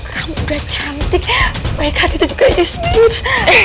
kamu udah cantik baik hati itu juga yes miss